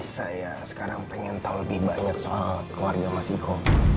saya sekarang pengen tahu lebih banyak soal keluarga mas iko